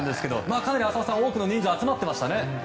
かなり多くの人数が集まっていましたね。